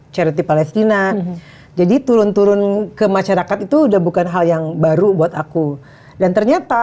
charity palestina jadi turun turun ke masyarakat itu udah bukan hal yang baru buat aku dan ternyata